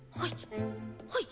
はい。